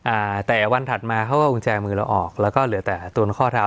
อ่าแต่วันถัดมาเขาก็เอากุญแจมือเราออกแล้วก็เหลือแต่ตัวข้อเท้า